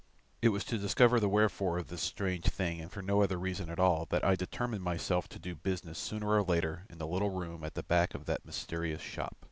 It was to discover the wherefore of this strange thing and for no other reason at all that I determined myself to do business sooner or later in the little room at the back of that mysterious shop.